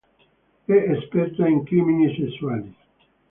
È esperta in crimini sessuali.